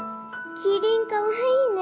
キリンかわいいね。